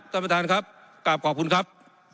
สำหรับทางครับกลับขอบคุณครับ